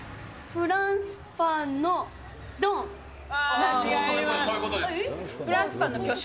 フランスパンの巨匠。